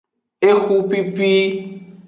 Ehupipi.